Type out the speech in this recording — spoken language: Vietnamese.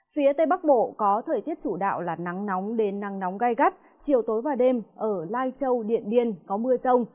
phía tây bắc bộ có thời tiết chủ đạo là nắng nóng đến nắng nóng gai gắt chiều tối và đêm ở lai châu điện biên có mưa rông